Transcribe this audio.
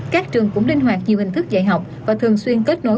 các trường cũng linh hoạt nhiều hình thức dạy học và thường xuyên kết nối